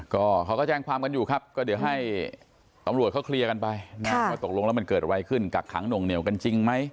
ก็ก็ก็แจ้งความกันอยู่ครับก็เดี๋ยวให้ตอบบรวมเขาครียวันไปมาตกลงแล้วมันเกิดไหวขึ้นกับถังหน่วงเหนียวกัน